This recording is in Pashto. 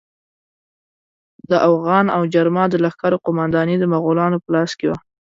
د اوغان او جرما د لښکرو قومانداني د مغولانو په لاس کې وه.